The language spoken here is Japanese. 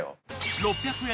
６００円